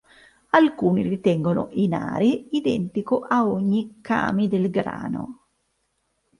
Alcuni ritengono Inari identico a ogni "kami" del grano.